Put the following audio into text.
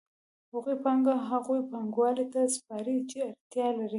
هغوی پانګه هغو پانګوالو ته سپاري چې اړتیا لري